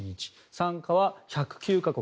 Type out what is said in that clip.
参加は１０９か国。